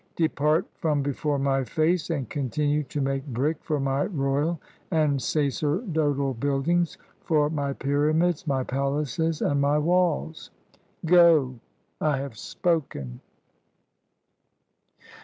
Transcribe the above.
Depart from before my face, and continue to make brick for my royal and sacerdotal buildings, for my pyramids, my palaces, and my walls. Go: I have spoken."